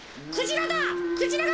クジラだ！